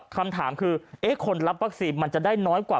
คำถามคือคนรับวัคซีนมันจะได้น้อยกว่า